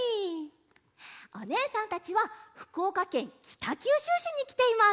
おねえさんたちはふくおかけんきたきゅうしゅうしにきています。